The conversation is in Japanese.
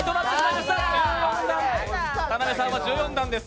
田辺さんは１４段です。